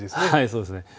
そうですね。